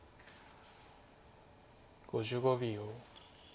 ５５秒。